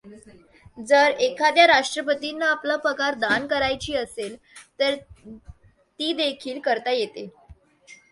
जर एखाद्या राष्ट्रपतींना आपला पगार दान करायची असेल तर तीदेखील करता येते.